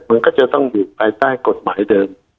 มันก็จะต้องอยู่ภายใต้กฎหมายเดิม